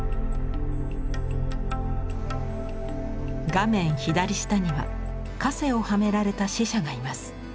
画面左下には枷をはめられた死者がいます。